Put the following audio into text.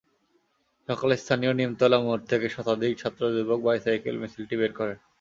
সকালে স্থানীয় নিমতলা মোড় থেকে শতাধিক ছাত্র-যুবক বাইসাইকেল মিছিলটি বের করেন।